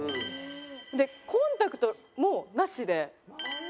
でコンタクトもなしで。